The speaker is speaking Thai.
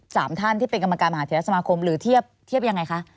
สามท่านที่เป็นกรรมการมหาเทศสมาคมหรือเทียบเทียบยังไงคะ